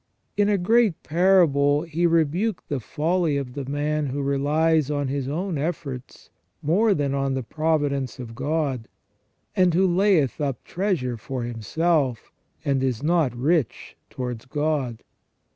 In a great parable He rebuked the folly of the man who relies on his own efforts more than on the providence of God, and who " layeth up treasure for himself, and is not rich towards God